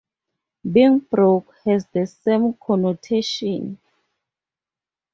Being "broke" has the same connotation.